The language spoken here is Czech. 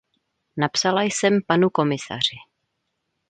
Napsala jsem panu komisaři.